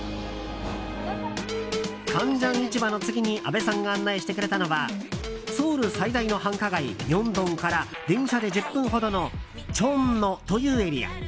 カンジャン市場の次に阿部さんが案内してくれたのはソウル最大の繁華街ミョンドンから電車で１０分ほどのチョンノというエリア。